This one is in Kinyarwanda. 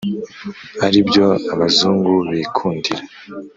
aribyo abazungu bikundira !